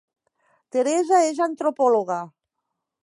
Teresa és antropòloga